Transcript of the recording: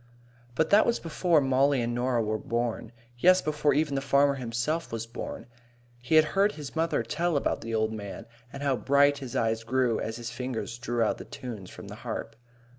But that was before Mollie and Norah were born. Yes, before even the farmer himself was born. He had heard his mother tell about the old man, and how bright his eyes grew as his fingers drew out the tunes from the harp.